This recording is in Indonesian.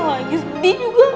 lagi sedih juga